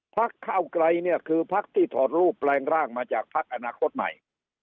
พักเก้าไกลเนี่ยคือพักที่ถอดรูปแปลงร่างมาจากพักอนาคตใหม่